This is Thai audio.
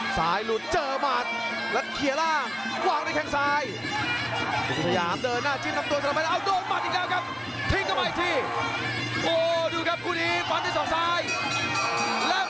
พร้อม๓ยกเรียบร้อยเลยครับท่านผู้ชมครับ